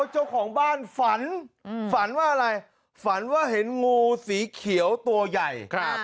เจ้าของบ้านฝันฝันว่าอะไรฝันว่าเห็นงูสีเขียวตัวใหญ่